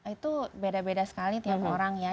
itu beda beda sekali tiap orang ya